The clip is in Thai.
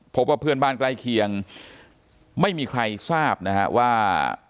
พบว่าเพื่อนบ้านใกล้เคียงไม่มีใครทราบนะฮะว่า